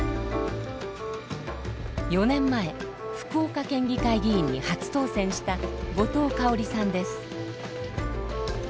４年前福岡県議会議員に初当選した後藤香織さんです。